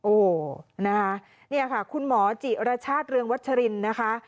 โอ้วนี่ค่ะคุณหมอจิรชาติเรืองวัชรินนะคะ